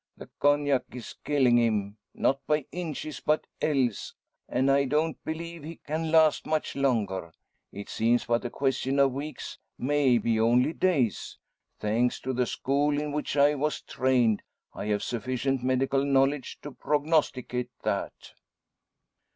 "The cognac is killin' him, not by inches, but ells; and I don't believe he can last much longer. It seems but a question of weeks; may be only days. Thanks to the school in which I was trained, I have sufficient medical knowledge to prognosticate that."